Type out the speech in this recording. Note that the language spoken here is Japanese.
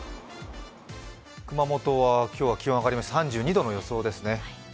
熊本は今日は気温が上がりまして３２度の予想ですね。